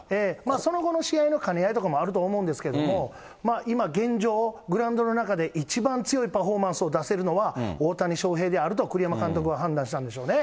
その後の試合の兼ね合いとかもあると思うんですけれども、今、現状、グラウンドの中で一番強いパフォーマンスを出せるのは大谷翔平であると、栗山監督は判断したんでしょうね。